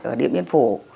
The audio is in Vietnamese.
ở địa biên phủ